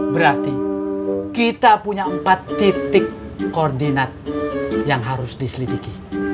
berarti kita punya empat titik koordinat yang harus diselidiki